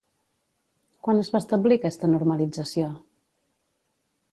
Quan es va establir aquesta normalització?